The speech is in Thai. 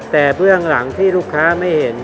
แต่เบื้องหลังที่ลูกค้าไม่เห็น